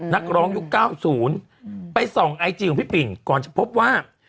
นักร้องยุค๙๐ไปส่องไอจีของพี่ปิ่นก่อนจะพบว่า